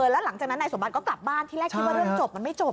แล้วหลังจากนั้นนายสมบัติก็กลับบ้านที่แรกคิดว่าเรื่องจบมันไม่จบ